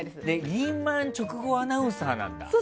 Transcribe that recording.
リーマン直後アナウンサーなんだ。